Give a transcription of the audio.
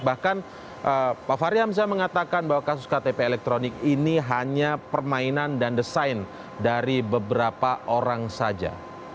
bahkan pak fahri hamzah mengatakan bahwa kasus ktp elektronik ini hanya permainan dan desain dari beberapa orang saja